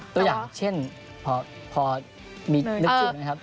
ตัวอย่างเช่นพอนึกจุดไหมครับ